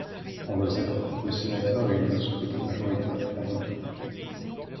En Lozère, le sénateur est élu au scrutin majoritaire à deux tours.